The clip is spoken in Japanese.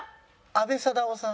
阿部サダヲさん。